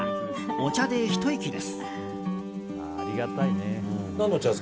お茶でひと息です。